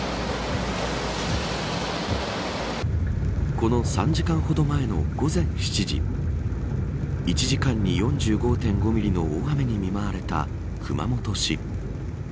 この３時間ほど前の午前７時１時間に４５．５ミリの大雨に見舞われた熊本市。